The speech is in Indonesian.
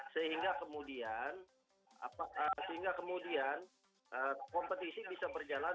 sehingga kemudian kompetisi bisa berjalan